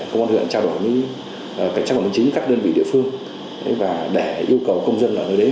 công an huyện trao đổi với cảnh sát bản chính các đơn vị địa phương và để yêu cầu công dân ở nơi đấy